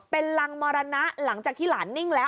เป็นรังมรณะหลังจากที่หลานนิ่งแล้ว